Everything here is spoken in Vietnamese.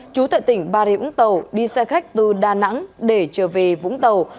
trú tại tỉnh ba rịa vũng tàu đi xe khách từ đà nẵng để trở về vũng tàu